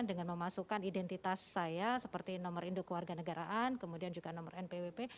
dengan memasukkan identitas saya seperti nomor induk keluarga negaraan kemudian juga nomor npwp